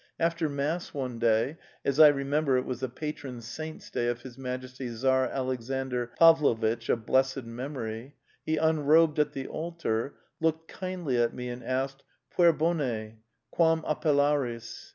After mass one day, as I remember tt was the patron saint's day of His Majesty Tsar Alex andr Pavlovitch of blessed memory, he unrobed at the altar, looked kindly at me and asked, * Puer bone, quam appelaris?